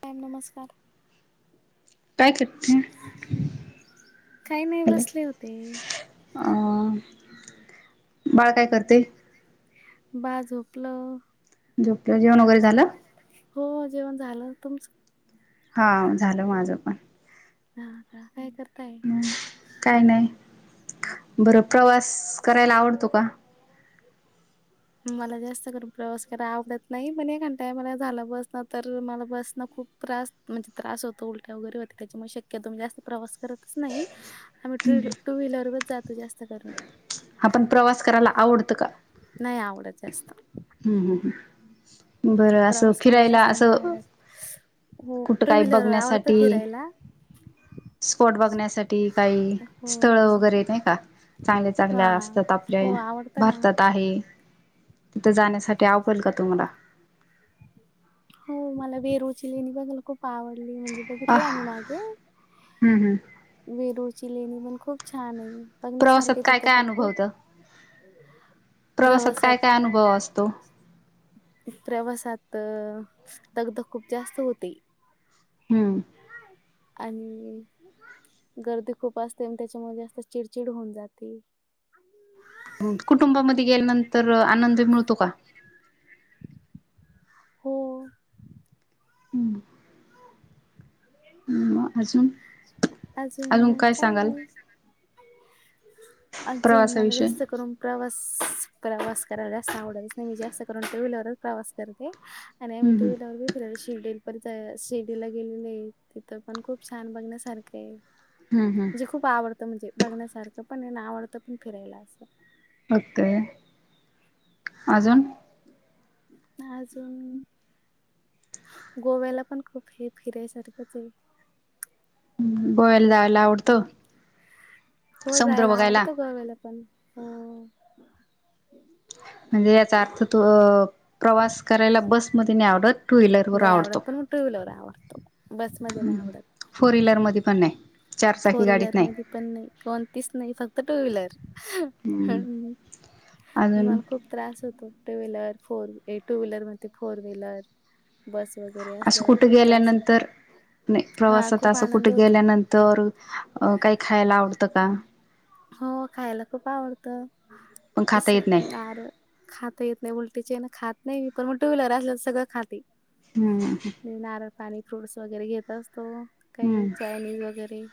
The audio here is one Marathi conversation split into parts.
प्राम नमस्कार काय करते काही नाही हॅलो बसले होते अ बाळ काय करते बा झोकलं झोपलं जेवण वगैरे झालं हो जेवण झालं तुमचं हा झालं माझं पण हा का काय करताय काय नाही बरं प्रवास करायला आवडतो का मला जास्त कर प्रवास करा आवडत नाही पणता मला झालं बसन तर मला बसण खप त्रास म्हणजे त्रास होत उलट्या वगैरे हो त्याच्यामुळे शक्यता जास्त प्रवास करतच नाही टू व्हीलर वच जातो जास्त करून आपण प्रवास करायला आवडतं का नाही आवडत जास्त. हम् ह् प्रवास करायला जास्त नाही आवडत. हो कुठं टू काही व्हीलर आवडतं फिरायला. स्पोट बघण्यासाठी काही हो स्थळ वगैरे येत नाही का चांगले वा चांगल्या असतात आपल्या हो आवडतं ना. भारतात आहे तिथे जाण्यासाठी त्यावल का तुम्हाला? ची लेनी बघायला खूप आवडली म्हणजे बघितली आह आम्ही मागे, हम्म हम्म विरोळ ची लेणी पण खूप छान आहे. प्रवासात बघण्यासारखे काय तिथं काय पण खूप अनुभवत? प्रवासात काय काय अनुभव असतो? प्रवासात दगधग खूप जास्त होते. हम्म. आणि गर्दी खूप असते आणि त्याच्यामुळे जास्त चिडचिड होऊन जाते. कुटुंबामध्ये गेल्यानंतर आनंद मिळतो का? हो. हम्म. ह अजून अजून काय सांगाल? अजून मला प्रवासाविषयी जास्त करून प्रवास प्रवास करायला जास्त आवडेल, जास्त करून टू व्हीलर वर प्रवास करते आणि आम्ही टू हम्म व्हीलर ने फिरायला शिर्डीला पर शिर्डीला गेलेले, तिथं पण खूप छान बघण्यासारखं आहे. हम्म हम्म म्हणजे हम्म खूप आवडतं, म्हणजे बघण्यासारखं पण ना, आणि आवडतं पण फिरायला असं. बघतय. अजून अजून? गोव्याला पण खूप हे फिरायसारखंच य,, गोव्याला जायदा आवडत, हो समुद्र जायला बघायला आवडतं गोव्याला पण हो. अ प्रवास करायला बस मध्ये नाही आवडत टू व्हीलर नाही आवडत पण मग टू व्हीलर वर आवडतो बसमध्ये नाही आवडत. फोर व्हीलरमध्ये पण नाही चारचाकी फोर गाडीत व्हीलर नाही मध्ये पण नाही, कोणतीच नाही फक्त टू व्हीलर. म्हणजे अजून मला खूप त्रास होतोय. टू व्हीलर फोर ऐ टू व्हीलर मनते फोर व्हीलर. बस वगैरे असं असल्यावर कुठे खूप त्रास होतो गेल्यानंतर नाही हा खूप प्रवासात आनंद कुठं होतो गेल्यानंतर. अ काही खायला आवडतं का? हो खायला खूप आवडत. पण अस खाता येत नाही नार, खाता येत नाही उलटीच्या ह्यानं खात नाही पण मग टू व्हीलर असलं तर सगळं खाते. हम्म ह. नारळ पाणी, फ्रूट्स वगैरे घेत असतो, काही हम्म चायनीज वगैरे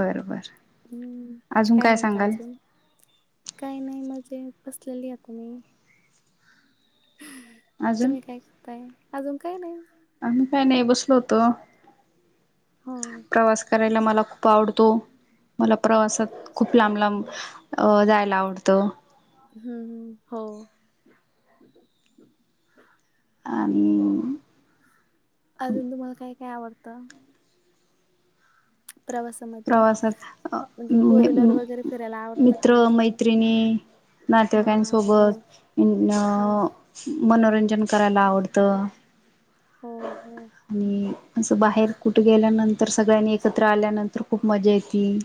बर बर. हम्म, काय म्हणतात? काही नाही मजेत बसलेलीय, आ तुम्ही? अजून तुम्ही काय करताय? अजून काय नाही. आम्ही काही नाही बसलो होतो, हो प्रवास करायला मला खूप आवडतो, मला प्रवासात खूप लांब, लांब अ जायला आवडतं. हम्म हम् हो. आणि अजून तुम्हाला काय, काय आवडतं? प्रवासामध्ये प्रवासात अ म्हणजे फोर व्हीलर वगैरे फिरायला आवडतं मित्र, का? मैत्रिणी हा नातेवाईकां सोबत हो हो मनोरंजन व्यजन करायला आवडत हो हो आणि असं बाहेर कुठे गेल्यानंतर, सगळ्यांनी एकत्र आल्यानंतर खूप मजा येते.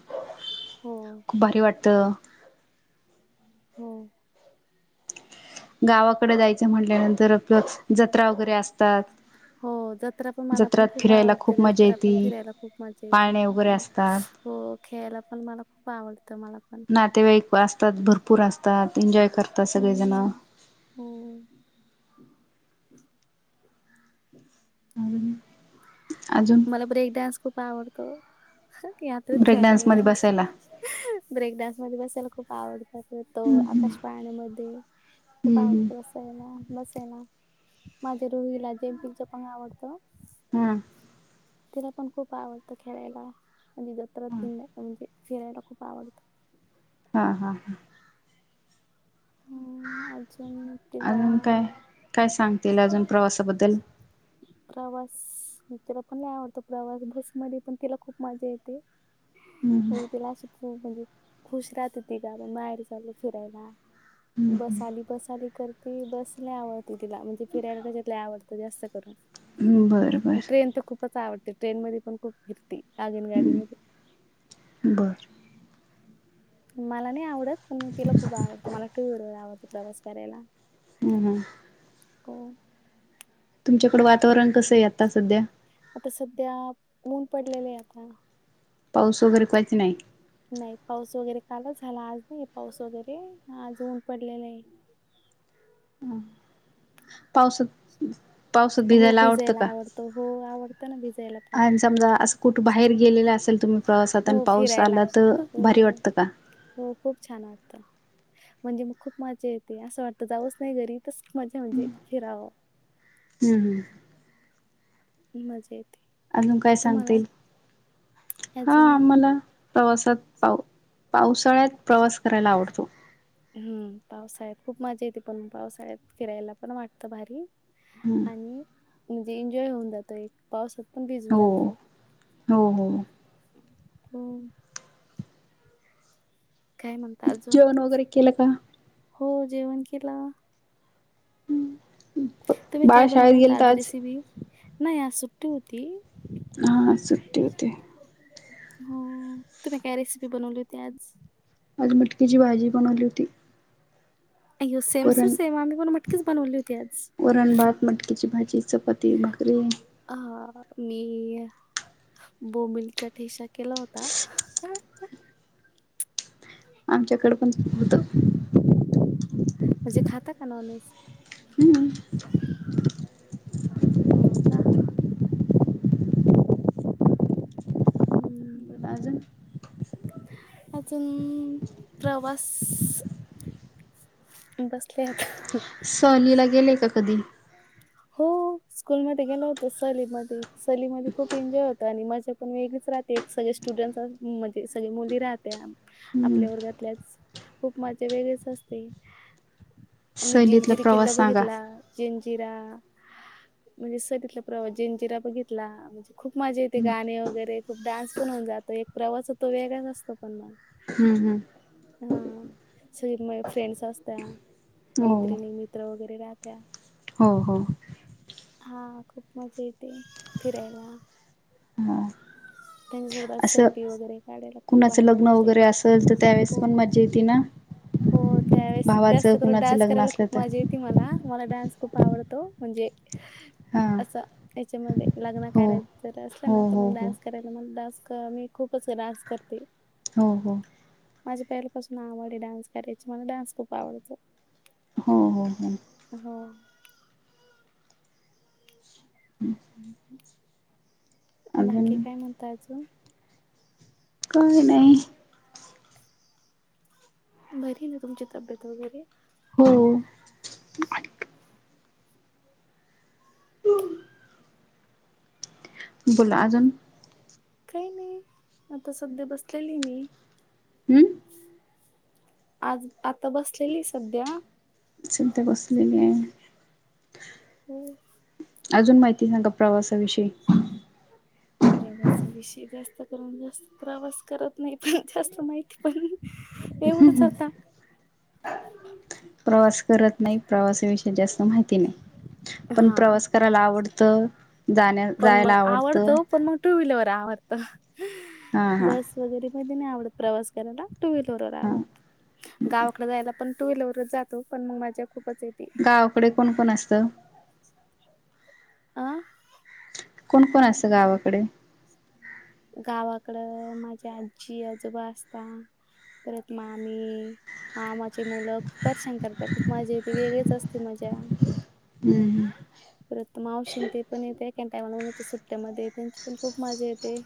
हो खूप भारी वाटतं. [inaudible] गावाकडे जायचं म्हटल्यानंतर, [unintelligible] जत्रा वगैरे असतात. हो, जत्रा पण मला जत्रात पण खूप फिरायला आवडते, मजा जत्रा पण येते फिरायला खूप मजा येते पाळणे मला, वगैरे पण. असतात हो, खेळायला पण मला आवडतं. मला पण नातेवाईक असतात, भरपूर असतात. एन्जॉय करतात सगळेजणं. हम्म हो [inaudible] [inaudible] अजून मला ब्रेक डान्स खूप आवडतो. यातच ब्रेक डान्समध्ये बसायला [unintelligible] ब्रेक डान्स मध्ये बसायला खूप आवडतात, तो, आकाश पाळण्यामध्ये खूप हम्म आवडतो, बसायला बसायला, माझ्या रुहिला जंपिंग जपांग आवडतं. हा. तिला पण खूप आवडतो. खेळयला, हां हां [unintelligible] फिरायला खूप आवडतं. हा हा हा. अ अजून तिला अजून काय काय सांग ती? अजून प्रवासाबद्दल. प्रवा [unintelligible] तिला पण लय आवडतं प्रवास बस मध्ये पण तिला खूप मजा येत. म्हणजे, तिला अशी [unintelligible] म्हणजे खुश राहत होती. ग माहेर चाल फिरायला. बस आली बस आली करते. बस लय आवडते, तिला म्हणजे फिरायला त्याच्या आवड जास्त बरं करून ट्रेन तर खूपच आवडत. ट्रेन म पण खूप फिरती, आगीन गाडी बरं म बरं मला नाही आवडत. पण म तिला खूप आवडतं मला टूव्हिलर आवडते. प्रवास करायला. हम हम को तुमच्याकडं वातावरण कसं आहे? आता सध्या. आता सध्या ऊन पडलेले आहे आता पाऊस वगैरे काहीच नाही. नाही पाऊस वगैरे कालच झाला, आज नाही पाऊस वगैरे आज ऊन पडलेले ये. [unintelligible] पावसात पावसात हो भिजायला आवडतं का? आवडतो हो आवडतं ना भिजायला पण आणि समजा असं कुठे बाहेर गेलेलं असेल? तुम्ही प्रवासात हो आणि पाऊस फिरायला, आला तर हो भारी वाटतं का हो खूप छान वाटते! म्हणजे मग खूप मज्जा येते. असं वाटतं जावंच नाही, घरी. [unintelligible] म्हणजे फिराव. हम्म मजेत. अजून काय सांगतील? हा अजून आम्हाला प्रवासात पाऊ पावसाळ्यात प्रवास करायला आवडतो. हम्म! पावसाळ्यात खूप मजा येते, पण पावसाळ्यात फिरायला पण वाटत भारी. आणि म्हणजे एन्जॉय होऊन जातो. एक पाऊस पण भिजून हो जातो. हो हो [unintelligible] हो. काय म्हणता अजून जेवण वगैरे केलं का? हो, जेवण केल. तुम्ही बाळ काय शाळेत बनवलं, होत गेलत आज रेसिपी नाही आज सुट्टी होता. हा सुट्टी होती. हो तुम्ही काय रेसिपी बनवली होती आज आज मटकीची भाजी बनवली होती. अय्यो सेम टू पुरण सेम आम्ही पण मटकीच बनवली होती आज. वरण भात मटकीची भाजी चपातती बकरी हा म. बोबिलचा ठेसा केला होता. आमच्याकडे पण होत. ति कस हम्. हो का? हम्म. लाजून. अजून प्रवास बसले आता. सहलीला गेले का कधी हो स्कूलमध्ये गेल होत सलीमध्ये सलीमध्ये खूप एन्जॉय होत आणि मजा पण वेगळीच ह सगळे स्टुडं म्हणजे सगळे मुली राहते हम्म आपल्या वर्गातल्याच खूप मजे वेगळेच असते आ मही सहलीतला जिंजिरी किल्ला प्रवास सांगा. बघितला जिं जिरा [unintelligible] म्हणजे सर तिथला प्रवास, जिंजिरा बघितला. म्हणजे खूप मजा येते, गाणे वगैरे, खूप डान्स पण होऊन जात तो एक प्रवास होतो. वेगळाच असतो, पण मग हम्म. हम्म. हा, सगळे मग फ्रेंड्स असत्या, हो मैत्रिणी-मित्र वगैरे राहत्या हो हो. हा, खूप मजा येते फिरायला. हा त्यांच्यासोबत असं, सेल्फी वगैरे काढायला खूप कुणाचं भारी लग्न वाटते. वगैरे असल, तर त्यावेळेस हो पण मज्जा येते ना! हो, त्यावेळेस जास्त भावाचं करून, कुणाचं डान्स लग्न करायला असलं खूप तर मजा येते मला. मला डान्स खूप आवडतो. म्हणजे, हा असा याच्यामध्ये. लग्न हो कार्यात जर असलं हो ना, तर हो मग हो डान्स करायला मग अं. मी खूपच डान्स करते. हो हो माझी पहिल्यापासून आवड आहे. डान्स करायची, मला डान्स खूप आवडतो. हो हो हो. हो. बाकी, अजून काय म्हणता अजून? काही नाही. बरीय ना, तुमची तब्येत वगैरे? हो. बोला, अजून? काही नाही, आता सध्या बसलेली मी. हम्म आज, आता बसलेली सध्या. चिंता बसलेली आहे. हम.. अजून माहिती सांगा, प्रवासाविषयी. प्रवासा विषयी, जास्त करून जास्त प्रवास करत नाही, पण जास्त माहिती पण एवढंच आता. प्रवास करत नाही. प्रवासा विषयी जास्त माहिती नाही. पण हा प्रवास करायला आवडतं. जाण्या पण मग, जायला आवडतं. पण मग टू व्हीलर वर. आवडतं. हा हा बस वगैरे, मध्ये नाही आवडत, प्रवास करायला. टू व्हीलरवर हा आवडतं. गावाकडे जायला पण, टूव्हीलर वरच जातो. पण मग माझ्या खूप गावाकडे, कोण-कोण असतं? आ..? कोण-कोण असतं गावाकडे? गावाकडं.., माझ्या आजी-आजोबा असता परत मामी-मामा ची मुलं खूपच छान करतात. खूप मजा येते, वेगळीच असते मजा. हम्म.. हम्. मावशीं ते पण येतेत. त्या टायमाला पण सुट्ट्यामध्ये, त्यांची पण खूप मजा येते.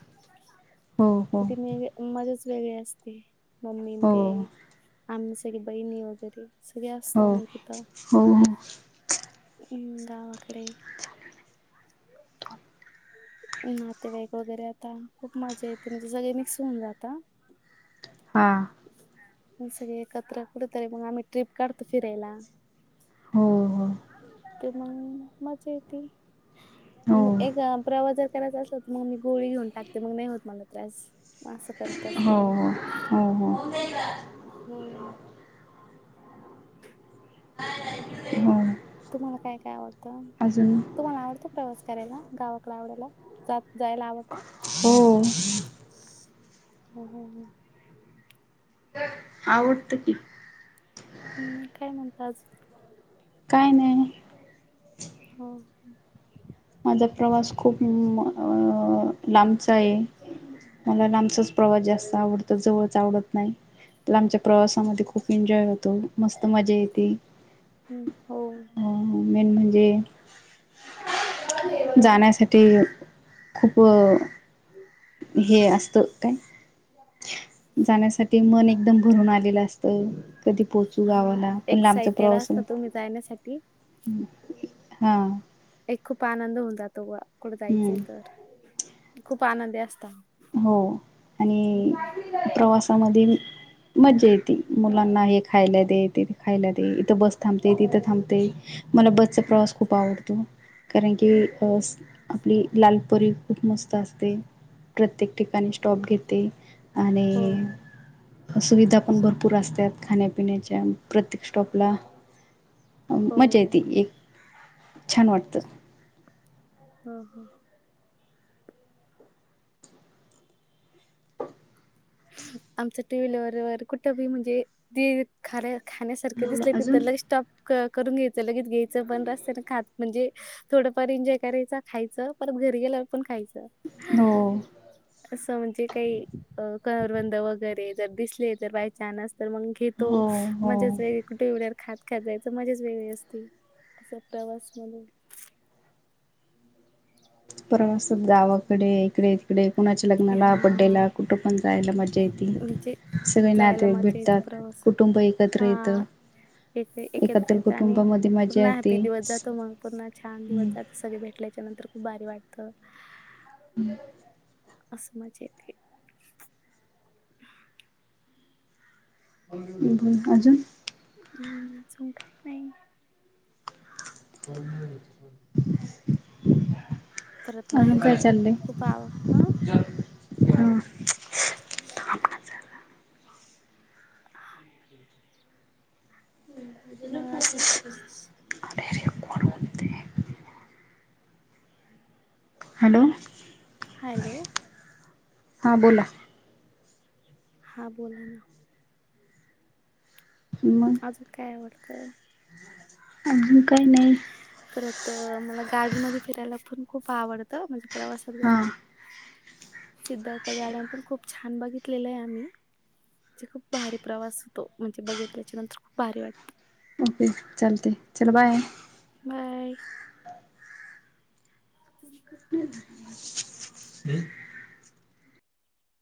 हो हो तिथे मग, मजाच वेगळी असते. मम्मीं ते हो आम्ही सगळे बहिणीं वगैरे. सगळे असतो हो... आम्ही तिथं होहो. हम्.. गावाकडे. नातेवाईक वगैरे येतात, खूप मजा येते म्हणजे सगळे मिक्स होऊन जाता हा. सगळे एकत्र, कुठे तरी मग आम्ही ट्रिप काढतो फिरायला. हो.. हो. मग मजा येते. हो मग एका प्रवास करत असतात. मग मी गोळी घेऊन टाकते, मग नाही होत मला त्रास. असं करत हो असते मी हो हो हो हो हो तुम्हाला काय काय आवडतं अजून तुम्हाला आवडतो प्रवास करायला गावाकला आवडायला ज हो हम् हम् हम्म आवडतं की. काय म्हणता अजून? काय नाय [unintelligible] प्रवास खूप लांबचा आहे मला लांबचाच प्रवास जास्त आवडतो जवळचा आवडत नाही. लांबच्या प्रवासामध्ये खूप एन्जॉय होतो मस्त मजा येते. हम्म हो अ मेन म्हणजे जाण्यासाठी खूप हे असतं काय? जाण्यासाठी मन एकदम भरून आलेलं असत. कधी पोहोचू हां, गावंला पण लांबचा एक्सायटेड प्रवास असता तुम्ही जाण्यासाठी. हा एक खूप आनंद होऊन जातो कुठं जायचं हम्म. तर खूप आनंदी अस हो आणि प्रवासामध्ये मज्जा य ती मुलांना हे खायला दे ते खायला दे इथं बस थांबते तिथं थांबते मला बसचा प्रवास हो, खूप आवडतो. कारण की आपली लालपरी खूप मस्त असते. प्रत्येक ठिकाणी स्टॉप घेते आणि, सुविधा पण भरपूर असतात खाण्यापिण्याच्या प्रत्येक स्टॉपला. हो, मजा येते एक छान वाटतं. हम हम्म आमच टू व्हीलरवर कुठंबी म्हणजे खाण्यासारखे बोला दिसले त अजून तर लगे स्टॉप करून घ्यायचं लगेच घ्यायचं पण रस्त खात म्हणजे थोडंफार एन्जॉय करायच खायचं परत घरी गेल्यावर पण खायचं हो असं म्हणजे काही करवंद वगैरे जर दिसले तर बाय न्स तर मग घेतो हो हो म्हजेच व कुठे खात खाजायच मजेच वेगळी असते असं प्रवास मध्ये प्रवासात गावाकडे इकडे त इकडे कुणाच्या लग्नाला हा बड्डेला कुठं पण जायला मजा येते म्हणजे सगळे जायला नाते मजा येते भेटतात. प्रवास कुटुंब एकत्र हा येतं. एक एकत्र येत आणि कुटुंबामध्ये पूर्ण मजा हॅप्पी येते दिवस जातो मग पूर्ण छान दिवस जातो सगळे भेटल्याच्या नंतर. खूप भारी वाटत. हम्म अस मज्जा येते. बोल अजून? अजून काय नाय [inaudible] परत अजून बाहेर काय जायला पण चाललंय खूप आवं हं हा थांब ना जरा मग अजून अरे रेकॉर्ड होतय. हॅलो हॅलो हां बोला हा बोला ना अजून काय आवडतं आनिक नाही परत मला गार्डन मध्ये फिरायला पण खूप आवडतं म्हणजे प्रवासा वगे रे हां सिद्धार्थ गाडन पण खूप छान बघितलेलं आहे आम्ही खूप भारी प्रवास होतो म्हणजे बघितल्याच्या नंतर खूप भारी वाटत ओके चालते चल बाय काय हम्म